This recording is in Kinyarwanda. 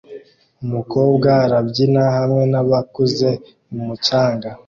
Umukobwa arabyina hamwe nabakuze mumucanga